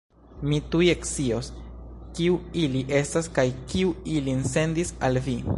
Mi tuj ekscios, kiu ili estas kaj kiu ilin sendis al vi!